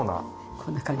こんな感じ？